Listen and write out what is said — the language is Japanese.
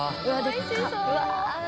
おいしそう。